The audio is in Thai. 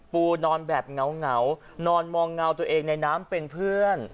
ปูนอนแบบเหงานอนมองเงาตัวเองในน้ำเป็นเพื่อน